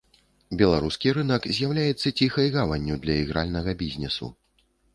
Беларускі рынак з'яўляецца ціхай гаванню для ігральнага бізнесу.